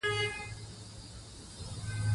منی د افغانستان د ځانګړي ډول جغرافیه استازیتوب کوي.